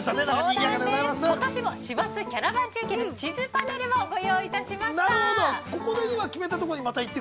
今年も師走キャラバン中継の地図パネルをご用意しました。